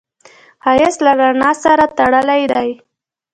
ښایست له رڼا سره تړلی دی